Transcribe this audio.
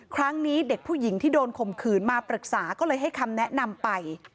ครั้งนี้เด็กผู้หญิงที่โดนข่มขืนมาปรึกษาก็เลยให้คำแนะนำไป